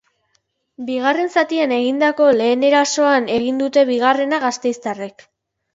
Bigarren zatian egindako lehen erasoan egin dute bigarrena gasteiztarrek.